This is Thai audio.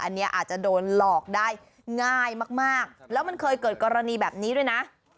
อันนี้อาจจะโดนหลอกได้ง่ายมากแล้วมันเคยเกิดกรณีแบบนี้ด้วยนะ